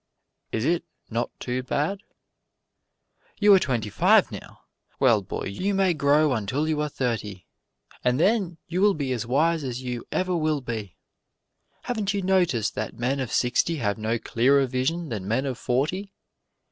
Is it not too bad? "You are twenty five now? Well, boy, you may grow until you are thirty and then you will be as wise as you ever will be. Haven't you noticed that men of sixty have no clearer vision than men of forty?